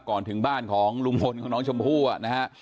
ก่อนถึงบ้านของลุงพลของน้องชมพู่นะฮะ